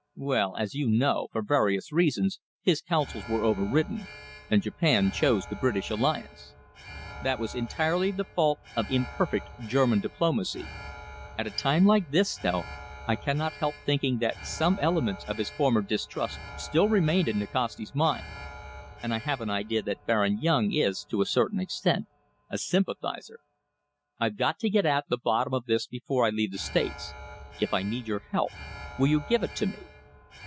Well, as you know, for various reasons his counsels were over ridden, and Japan chose the British alliance. That was entirely the fault of imperfect German diplomacy. At a time like this, though, I cannot help thinking that some elements of his former distrust still remain in Nikasti's mind, and I have an idea that Baron Yung is, to a certain extent, a sympathiser. I've got to get at the bottom of this before I leave the States. If I need your help, will you give it me?"